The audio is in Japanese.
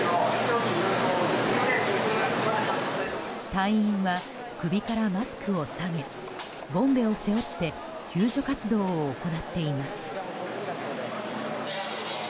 隊員は首からマスクを提げボンベを背負って救助活動を行っています。